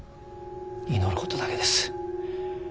祈ることだけです。